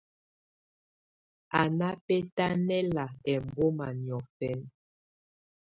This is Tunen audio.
Á ná bɛ́tánɛ́la ɛmbɔ́má niɔ̀fɛna.